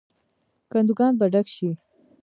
کندوګان به ډک شي.